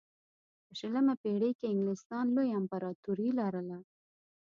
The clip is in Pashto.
په شلمه پېړۍ کې انګلستان لویه امپراتوري لرله.